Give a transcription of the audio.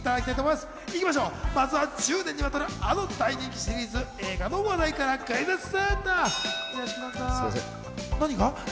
まずは１０年にわたるあの大人気シリーズ映画の話題からクイズッス。